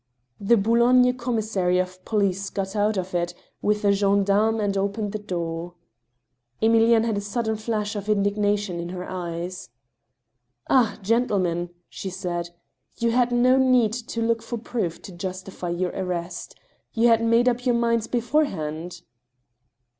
The Boulogne commissary of police got out of it with a gendarme and opened the door. ' Emilienne had a sudden flash of hidignation in her eyes. " Ah, gentlemen !*' she said, " you had no need to look for proof to justify your arrest ; you had made up your minds beforehand